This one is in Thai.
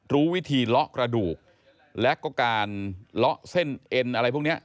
รู้วิธีเลาะกระดูกและก็การเลาะเส้นเอ็นอะไรพวกนี้